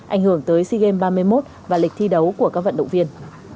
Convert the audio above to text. ảnh hưởng tới sea games ba mươi một và lịch thi đấu của các vận động viên